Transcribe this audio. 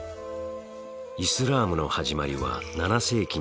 イスラームの始まりは７世紀に遡ります。